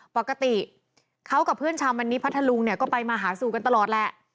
ปกติเขากับเพื่อนชาวมันนิพัทธลุงเนี่ยก็ไปมาหาสู่กันตลอดแหละ